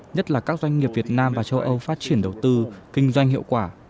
nhất là các doanh nghiệp việt nam và châu âu phát triển đầu tư kinh doanh hiệu quả